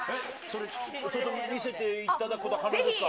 ちょっと見せていただくことは可能ですか。